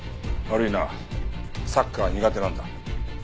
悪いなサッカーは苦手なんだ。